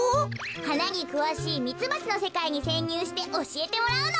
はなにくわしいミツバチのせかいにせんにゅうしておしえてもらうの。